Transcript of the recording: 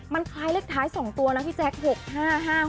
มันคล้ายเลขท้าย๒ตัวนะพี่แจ๊ค๖๕๕๖